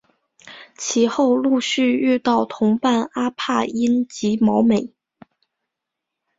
其后陆续遇到同伴阿帕因及毛美。